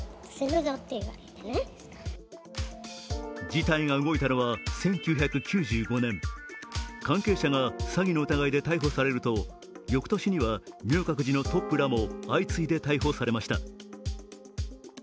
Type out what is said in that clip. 事態が動いたのは１９９５年、関係者が詐欺の疑いで逮捕されるとよくとしには、明覚寺のトップらも相次いで逮捕されました。